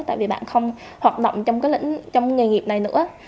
tại vì bạn không hoạt động trong cái lĩnh trong nghề nghiệp này nữa